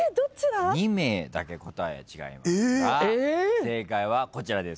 ２名だけ答え違いますが正解はこちらです。